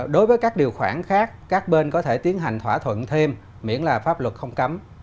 đối với các điều khoản khác các bên có thể tiến hành thỏa thuận thêm miễn là pháp luật không cấm